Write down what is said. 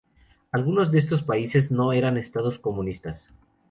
Algunos de estos países no eran estados comunistas.